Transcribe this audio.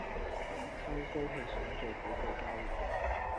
秋高氣爽最好去郊遊